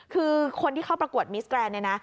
คือคนที่เข้าประกวดมิสแกรนด์